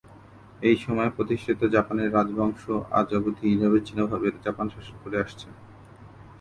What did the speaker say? এই সময়ে প্রতিষ্ঠিত জাপানের রাজবংশ আজ অবধি নিরবচ্ছিন্নভাবে জাপান শাসন করে আসছে।